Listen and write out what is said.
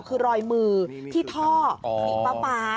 คือรอยมือที่ท่อสีฟ้า